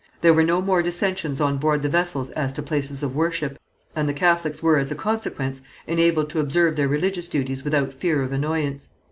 There were no more dissensions on board the vessels as to places of worship, and the Catholics were, as a consequence, enabled to observe their religious duties without fear of annoyance.